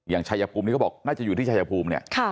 อย่างชายภูมิก็บอกน่าจะอยู่ที่ชายภูมิเนี่ย